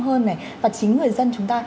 hơn này và chính người dân chúng ta